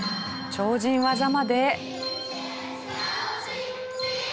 超人技まで。